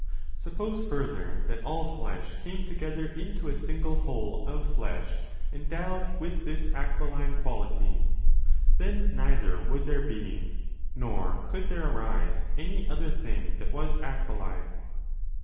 30 Suppose, further, that all flesh came together into a single whole of flesh endowed with this aquiline quality. Then neither would there be, nor could there arise, any other thing that was aquiline.